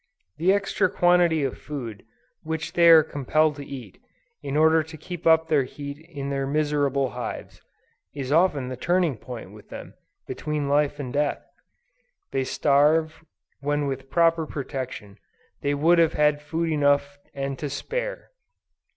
The extra quantity of food which they are compelled to eat, in order to keep up their heat in their miserable hives, is often the turning point with them, between life and death. They starve, when with proper protection, they would have had food enough and to spare.